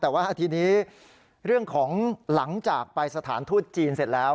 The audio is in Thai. แต่ว่าทีนี้เรื่องของหลังจากไปสถานทูตจีนเสร็จแล้ว